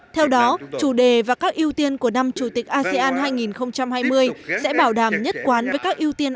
theo đó chủ đề và các ưu tiên của năm chủ tịch asean hai nghìn hai mươi sẽ bảo đảm nhất quán với các ưu tiên